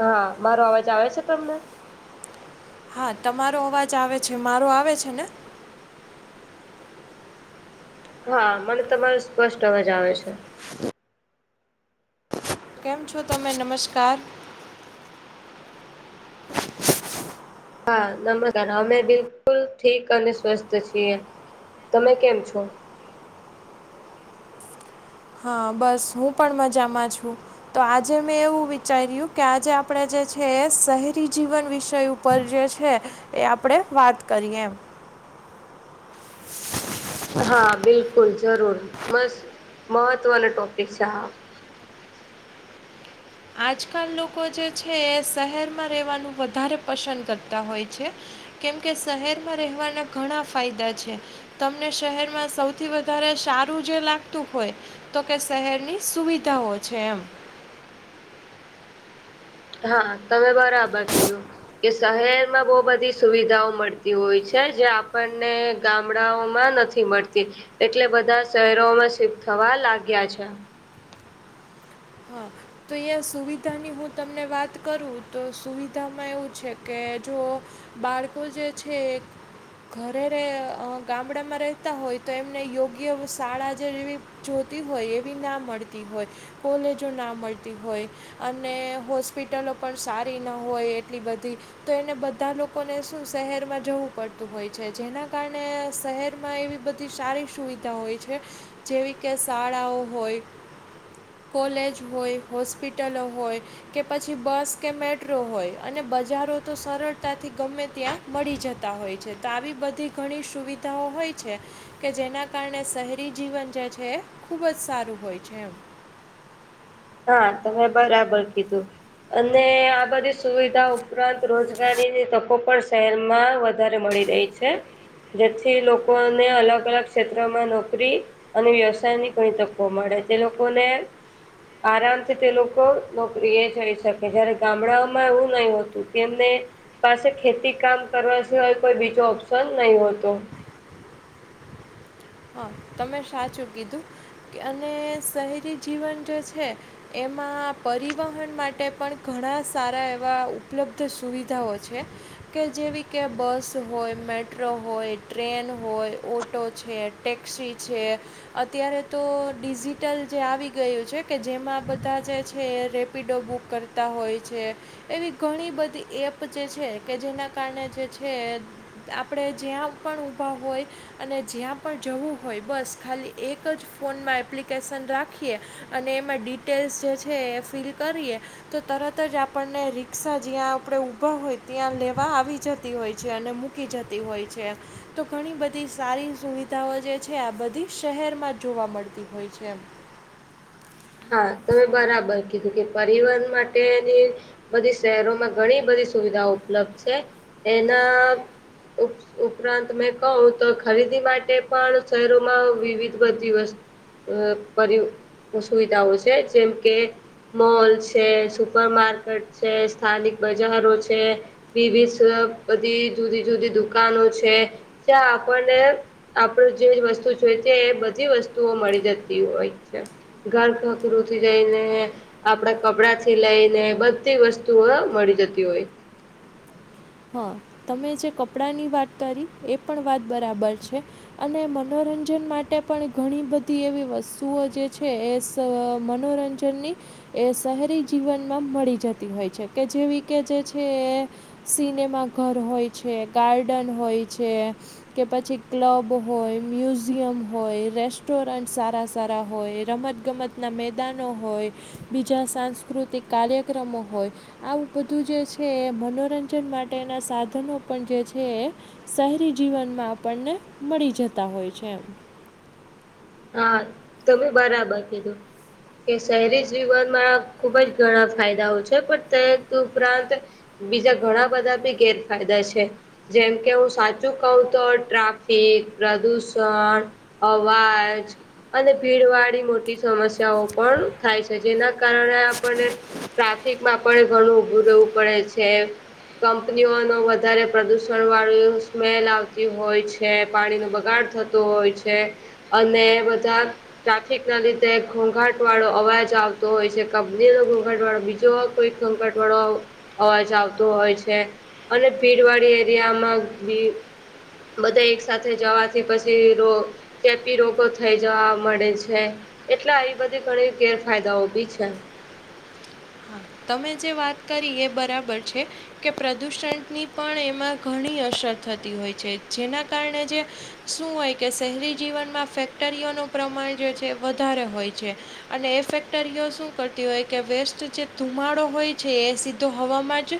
હા મારો અવાજ આવે છે, તમને? હા તમારો અવાજ આવે છે, મારો આવે છે, ને? હા મને તમારો સ્પષ્ટ અવાજ આવે છે. કેમ છો તમે? નમસ્કાર હા નમસ્કાર અમે બિલકુલ ઠીક અને સ્વસથ છીએ તમે કેમ છો? હા બસ હું પણ મજામાં છું તો આજે મેં એવું વિચાર્યું કે આજે આપે જે છે, એ શહેરી જીવન વિષય ઉ ઉપર જે છે, એ આપણે વાત કરીએ એમ હા બિલકુલ જરૂર મસ મહત્ત્વનો ટૉપિક છે, હા આજકાલ લોકો જે છે, એ શહેરમાં રહેવાનું વધારે પસંદ કરતા હોય છે. કેમ કે શહેરમાં રહેવાના ઘણા ફાયદા છે. તમને શહેરમાં સૌથી વધારે સારું જે લાગતું હોય તો કે શહેરની સુવિધાઓ છે, એમ હા તમે બરાબર કીધું કે શહેરમાં બો બધી સુવિધાઓ મળતી હોય છે, જે આપણને ગામડાઓમાં ન મળતી એટલે બધા શહેરોમાં શિફ્ટ થવા લાગ્યા છે. હ. તો અહીંયા સુવિધાની હું તમને વાત કરું તો સુવિધામાં એવું છે, કે જો બાળકો જે છે. ઘરે રે અ ગામડામાં રહેતા હોય તો એમને યોગ્ય શાળા જેવી જોતી હોય એવી ના મળતી હોય કોલેજો ના મળતી હોય અને હોસ્પિટલો પણ સારી ન હોય એટલી બધી તો એને બધા લોકોને શું શહેરમાં જવું પડતું હોય છે, જેના કારણે શહેરમાં એવી બ સારી સુવિધા હોય છે, જેવી કે શાળાઓ હોય કોલેજ હોય હોસ્પિટલો હોય કે પછી બસ કે મેટ્રો હોય અને બજારો તો સરળતાથી ગમે ત્યાં મળી જતા હોય છે, તો આવી બધી ઘણી સુવિધાઓ હોય છે. કે જેના કારણે શહેરી જીવન જે છે, ખુબ જ સારું હોય છે, એમ હા તમે બરાબર કીધું અને આ બધી સુવિધા ઉપરાંત રોજગારીની તકો પણ શહેરમાં વધારે મળી રહી છે, જેથી લોકોને અલગ અલગ ક્ષેત્રમાં નોકરી અને વ્યવસાયની કોઈ તકો મળે તે લોકોને આરામથી તે લોકો નોકરી એ જઈ શકે જયારે ગામડાઓમાં એવું નહી હોતું તેમને પાસે ખેતી કામ કરવા સિવાય કોઈ બીજો ઓપ્શન નહી હોતો હ તમે સાચું કીધું કે અને શહેરી જીવન જે છે. એમાં પરિવહન માટે પણ ઘણા સારા એવા ઉપલબ્ધ સુવિધાઓ છે. કે જેવી કે બસ હોય, મેટ્રો હોય, ટ્રેન હોય, ઓટો છે. ટેક્સી છે. અત્યારે તો ડિજિટલ જે આવી ગયું છે, કે જેમાં બધા જે છે, રે પીડો બુક કરતા હોય છે. એવી ઘણી બધી એપ જે છે કે જેના કારણે જે છે આપણે જ્યાં પણ ઊભા હોય અને જ્યાં પણ જવું બસ ખાલી એક જ ફોનમાં એપ્લિકેશન રાખીએ અને એમાં ડિટેલ્સ જે છે એ ફિલ કરીએ તો તરત જ આપણને રીક્ષા જ્યાં આપણે ઊભા હોય ત્યાં લેવા આવી જતી હોય છે અને મુ કી જતી હોય છે તો ઘણી બધી સારી સુવિ ધાઓ જે છે આ બધી શહેરમાં જોવા મળતી હોય છે એમ હાં તમે બરાબર કીધું કે પરિવહન માટેની બધી શહેરોમાં ઘણી બધી સુવિધાઓ ઉપલબ્ધ છે એના ઉ ઉપરાંત મેં કઉં તો ખરીદી માટે પણ શહેરોમાં વિવિધ બધી વસ્ત અ પરિ સુવિધાઓ છે જેમ કે મોલ છે, સુપર માર્કેટ છે, સ્થાનિક બજારો છે વિવિધ શોપ બધી જુદી જુદી દુકાનો છે જ્યાં આપણને આપણે જે વસ્તુઓ જોઈતી તે એ બધી વસ્તુઓ મળી જતી હોય છે. ઘાર [unintelligible] જયને આપણા કપડાથી લઈને બધી વસ્તુઓ મળી જતી હોય. હ તમે જે કપડાંની વાત કરી એ પણ વાત બરાબર છે. અને મનોરંજન માટે પણ ઘણી બધી એવી વસ્તુઓ જે છે, એ સ મનોરંજ [unintelligible] શહેરી જીવનમાં મળી જતી હોય છે. કે જેવી કે જે છે. સિનેમા ઘર હોય છે, ગાર્ડન હોય છે. કે પછી ક્લબ હોય, મ્યુઝિયમ હોય, રેસ્ટોરન્ટ સારા સારા હોય, રમત- ગમતના મેદાનો હોય બીજા સાંસ્કૃતિક કાર્યક્રમો હોય આવું બધું જે છે, મનોરંજન માટેના સાધનો પણ જે છે. શહેરી જીવનમાં આપણને મળી જતા હોય છે, એમ હા તમે બરાબર કીધું કે શહેરી જીવનમાં ખુબ જ ઘણા ફાયદાઓ છે, પણ તે ઉપરાંત બીજા ઘણા બધા બી ગેરફાયદા છે. જેમકે હું સાચું કવ તો, ટ્રાફિક, પ્રદુષણ, અવાજ અને ભીડ વાળી મોટી સમસ્યાઓ પણ થાય છે, જેના કારણે આપણને ટ્રાફિકમાં પણ ઘણું ઉભું રહેવું પડે છે. કંપનીઓનો વધારે પ્રદુષણ વાળું એહો સ્મેલ આવતી હોય છે. કે પાણીનો બગાડ થતો હોય છે, અને બધા ટ્રાફિકના લીધે ઘોઘાટ વાળો અવાજ આવતો હોય છે, કંપનીનો ઘોંઘાટ વાળો બીજો કોઈ ઘોંઘાટ વાળો અવાજ આવતો હોય છે. અને ભીડવાડી એરિયામાં બી બધા એક સાથે જવાથી પછી રો ચેપી રોગો થઈ જવા મળે છે, એટલા એ બધી ઘણી ગેરફાયદાઓ બી છે. હા તમે જે વાત કરી એ બરાબર છે. કે પ્રદૂષણની પણ એમાં ઘણી અસર થતી હોય છે, જેના કારણે જે શું હોય કે, શહેરી જીવનમાં ફેક્ટરીઓનું પ્રમાણ જે છે, વધારે હોય છે. અને એ ફેક્ટરીઓ શું કરતી હોય કે વેસ્ટ જે ધુમાડો હોય છે, એ સીધો હવામાં જ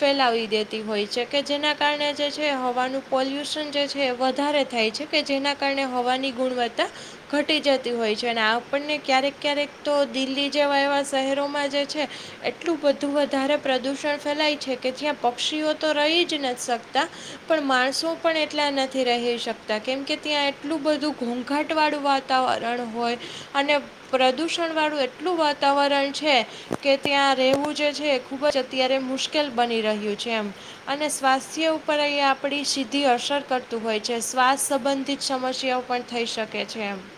ફેલાવી દેતી હોય છે, કે જેના કારણે જે છે, હવાનું પોલ્યુશન જે છે, એ વધારે થાય છે. કે જેના કારણે હવાની ગુણવત્તા ધટી જતી હોય છે, અને આપણને ક્યારેક ક્યારેક તો દિલ્હી જેવા એવા શહેરોમાં જે છે. એટલું બધું વધારે પ્રદૂષણ ફેલાય છે, કે, જ્યાં પક્ષીઓ તો રહી જ નથી શકતા. પણ માણસો પણ એટલા નથી રહી શકતા કેમ કે ત્યાં એટલું બધું ઘોઘાટ વાળું વા તાવરણ હોય અને પ્રદૂષણવાળું એટલું વાતાવરણ છે. કે ત્યાં રહેવું જે છે, એ ખૂબ જ અત્યારે મુશ્કેલ બની રહ્યું છે, એમ અને સ્વાસ્થ્ય ઉપર અંયા આપણી સીધી અસર કરતું હોય છે, શ્વાસ સંબંધિત સમસ્યાઓ પણ થઈ શકે છે, એમ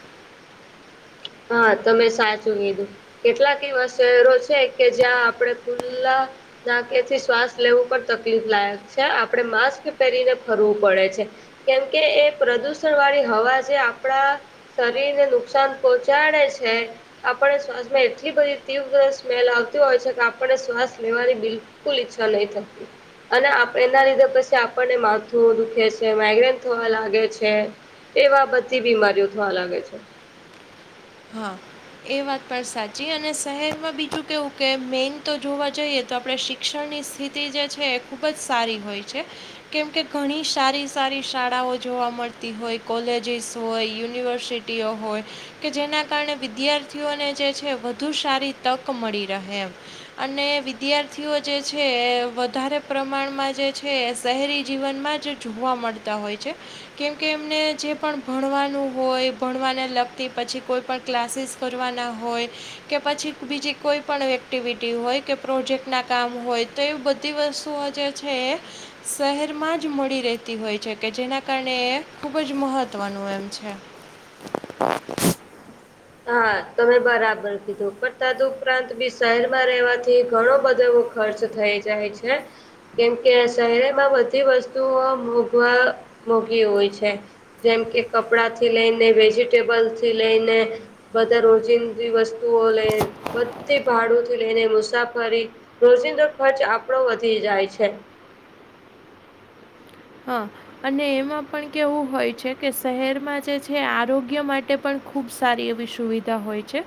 હા તમે સાચું કીધું કેટલાક એવા શહેરો છે, કે જ્યાં આપડે પુલા નાકેથી શ્વાસ લેવું પણ તકલીફ લાયક છે આપણે માસ્ક પેરીને ફરવું પડે છે કેમકે એ પ્રદુષણ વાળી હવા જે આપણા શરીરને નુકસાન પહોંચાડે છે આપણે શ્વાસમાં એટલી બધી તીવ્ર સ્મેલ આવતી હોય છે કે આપણને શ્વાસ લેવાની બિલ કુલ ઈચ્છા નઈ થતી અને આપડે એના લીધે પછી આપણને માથું દુઃખે છે માઇગ્રેન થવા લાગે છે એવા બધી બીમારીઓ થવા લાગે છે હા એ વાત પણ સાચી અને શહેરમાં બીજું કેવું કે મેઈન તો જોવા જઈએ તો આપડે શિ ક્ષણની સ્થિતિ જે છે એ ખૂબ જ સારી હોય છે કેમકે ઘણી સારી સારી શાળાઓ જોવા મળતી હોય કોલેજીસ હોય યુનિવર્સિ ટીઓ હોય કે જેના કારણે વિદ્યાર્થીઓને જે છે વધુ સારી તક મળી રહે એમ અને વિદ્યાર્થીઓ જે છે વધારે પ્રમાણમાં જે છે શહેરી જીવનમાં જ જોવા મળતા હોય છે કેમકે એમને જે પણ ભણવાનું હોય ભણવાને લગતી પછી કોઈ પણ ક્લાસીસ કરવાના હોય કે પછી બીજી કોઈ પણ એક્ટિવિટી હોય કે પ્રોજેક્ટ ના કામ હોય તો એ બધી વસ્તુઓ જે છે એ શહેરમાં જ મળી રહેતી હોય છે કે જેના કારણે એ ખુબ જ મહત્વનું એમ છે હા તમે બરાબર કીધું પણ તદઉપરાંત બી શહેરમાં રહેવાથી ઘણો બધો એવો ખર્ચ થઈ જાય છે કેમકે શહેરમાં બધી વસ્તુઓ મોઘવા મોઘી હોય છે જેમ કે કપડા થી લેઈને વેજીિટેબલ થી લેઈને બધા રોજિંદી વસ્તુઓ લેઈ બધે ભાડુંથી લેઈને મુસાફરી રોજિંદો ખર્ચ આપડો વધી જાય છે હા અને એમાં પણ કેવું હોય છે કે શહેરમાં જે છે આરોગ્ય માટે પણ ખૂબ સારી એવી શુવિધા હોય છે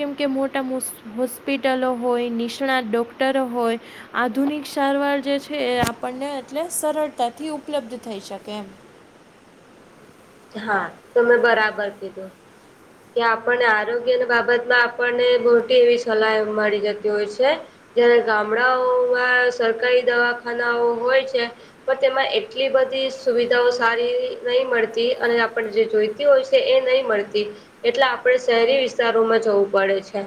કેમકે મોટા મોસ હોસ્પિટલો હોય નિષ્ણાત ડોક્ટર હોય આધુનિક સારવાર જે છે એ આપણને એટલે સરળતાથી ઉપલબ્ધ થઈ શકે એમ હા તમે બરાબર કીધુ કે આપણને આરોગ્યની બાબતમાં આપણને મોટી એવી સલાહ મળી જતી હોય છે. જયારે ગામડાઓમાં સરકારી દવાખાનાઓ હોય છે. પણ તેમાં એટલી બધી સુવિધાઓ સારી નહી મળ તી અને આપણે જે જોઈતી હોય છે, એ નહી મળતી એટલે આપડે શહેરી વિસ્તારોમાં જવું પડે છે.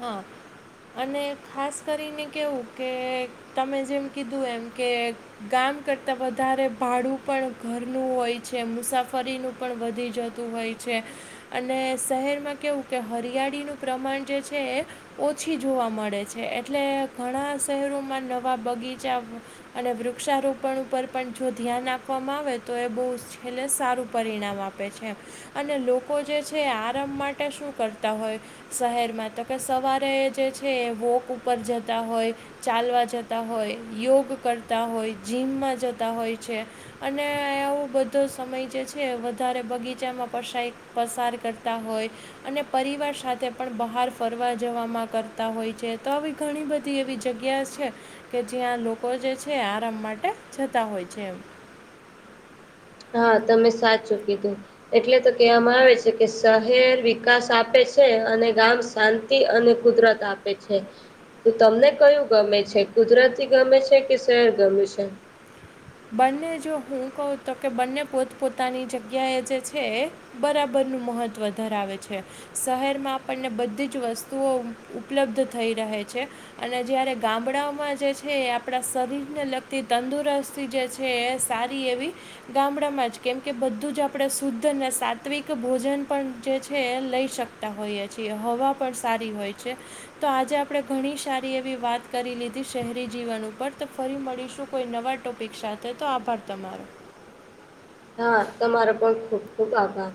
હા અને ખાસ કરીને કેવું કે તમે જેમ કીધું એમ કે ગામ કરતા વધારે ભાડું પણ ઘરનું હોય છે, મુસાફરીનું પણ વધી જતું હોય છે, અને શહેરમાં કેવું કે હરિયાળીનું પ્રમાણ જે [unintelligible] ઓછી જોવા મળે છે, એટલે ઘણા શહેરોમાં નવા બગીચા અને વૃક્ષારોપણ ઉપર પણ જો ધ્યાન આપવામાં આવે તો એ બો છેલ્લે સારું પરિણામ આ પે છે, અને લોકો જે છે, આરામ માટે શું કરતા હોય શહેરમાં તો કે સવારે જે છે, એ વોક ઉપર જતા હોય ચાલવા જતા હોય યોગ કરતા હોય જીમમાં જતા હોય છે. અને આવો બધો સમય જે છે, વધારે બગીચામાં પસાય પસાર કરતા હોય અને પરિવાર સાથે પણ બહાર ફરવા જવામાં કરતાં હોય છે, તો આવી ઘણી બધી એવી જગ્યા છે. કે જ્યાં લોકો જે છે, આરામ માટે જતા હોય છે. એમ હા તમે સાચું કીધું એટલે તો કહેવામાં આવે છે, કે શહેર વિકાસ આપે છે, અને ગામ શા તિ અને કુદરત આપે છે. તો તમને કયું ગમે છે, કુદરતી ગમે છે, કે શહેર ગમે છે. બંને જો હું કહું તો કે બંને પોતપોતાની જગ્યાએ જે છે, એ બરાબરનું મહત્ત્વ ધરાવે છે. શહેરમાં આપણને બધી જ વસ્તુઓ ઉપલબ્ધ થઈ રહે છે. અને જયારે ગામડાઓમાં જે છે, આપણા શરીર ને લગતી તંદુરસ્ત તી જે છે, એ સારી એવી ગામડામાં જ કેમ કે બધું જ આપણે શુદ્ધ અને સાત્વિક ભોજન પણ જે છે, લઈ શક તા હોય જ છે, હવા પણ સારી હોય છે. તો આજે આપણે ઘણી સારી એવી વાત કરી લીધી શહેરી જીવન ઉપર તો ફરી મળીશું કોઈ નવા ટોપિક સાથે તો આભાર તમારો હા તમારો પણ ખુબ ખૂબ આભાર